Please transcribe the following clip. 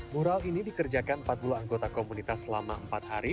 mural ini dikerjakan empat puluh anggota komunitas selama empat hari